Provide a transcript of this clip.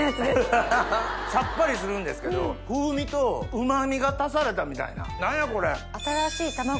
さっぱりするんですけど風味とうま味が足されたみたいな何やこれ。